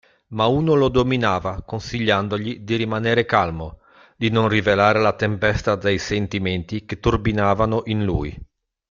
Ma uno lo dominava consigliandogli di rimaner calmo, di non rivelare la tempesta dei sentimenti che turbinavano in lui.